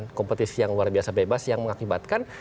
dengan kompetisi yang luar biasa bebas yang mengakibatkan